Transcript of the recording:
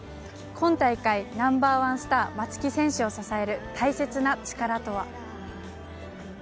今大会ナンバーワンスター・松木選手を支える大切な力とは。